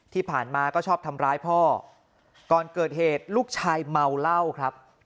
ที่ผ่านมาก็ชอบทำร้ายพ่อก่อนเกิดเหตุลูกชายเมาเหล้าครับ